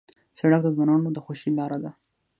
سړک د ځوانانو د خوښۍ لاره ده.